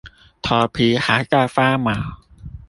頭皮還在發毛